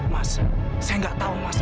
mas saya gak tau mas